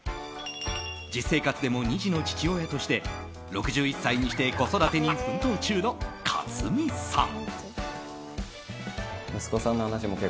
実生活でも２児の父親として６１歳にして子育てに奮闘中の克実さん。